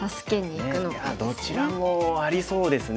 いやどちらもありそうですね